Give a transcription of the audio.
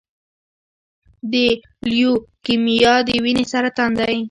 د لیوکیمیا د وینې سرطان دی.